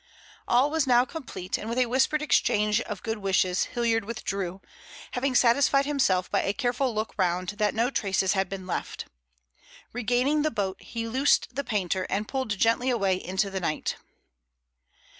All was now complete, and with a whispered exchange of good wishes, Hilliard withdrew, having satisfied himself by a careful look round that no traces had been left. Regaining the boat, he loosed the painter and pulled gently away into the night.